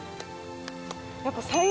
やっぱ。